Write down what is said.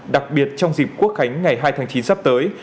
đặc biệt trong dịp quốc khánh ngày hai tháng chín sắp tới